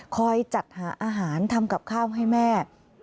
คอยจัดหาอาหารทำกับข้าวให้แม่